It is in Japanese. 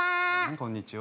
こんにちは。